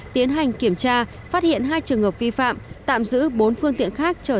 tiến hành kiểm tra phát hiện hai trường hợp vi phạm tạm giữ bốn phương tiện khác